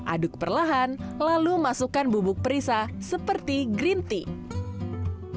aduk perlahan lalu masukkan bubuk perisa seperti green tea